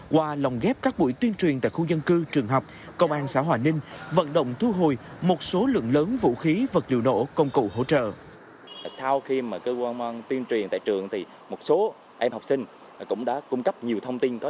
qua lồng ghép các buổi tuyên truyền tại khu dân cư trường học công an xã hòa ninh vận động thu hồi một số lượng lớn vũ khí vật liệu nổ công cụ hỗ trợ